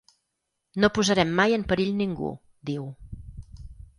No posarem mai en perill ningú, diu.